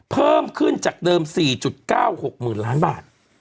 เพิ่มขึ้นจากเดิม๔๙๖๐๐๐ล้านบาท